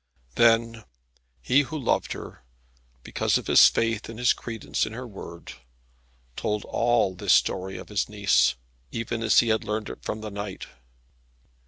Then he who loved her, because of his faith and his credence in her word, told all this story of his niece, even as he had learned it from the knight.